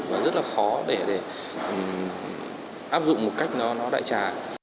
và rất là khó để áp dụng một cách nó đại trà